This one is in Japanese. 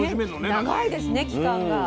長いですね期間が。